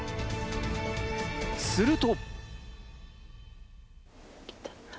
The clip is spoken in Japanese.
すると。